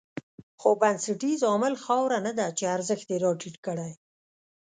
خو بنسټیز عامل خاوره نه ده چې ارزښت یې راټيټ کړی.